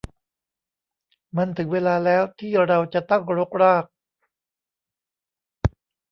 มันถึงเวลาแล้วที่เราจะตั้งรกราก